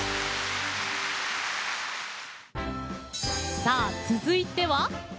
さあ、続いては。